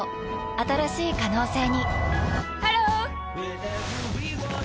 新しい可能性にハロー！